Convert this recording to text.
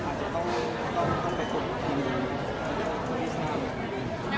ต้องเทควิวไม่รู้มันเป็นส่วนเงี้ย